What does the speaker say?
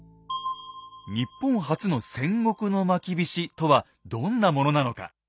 日本初の戦国のまきびしとはどんなものなのか。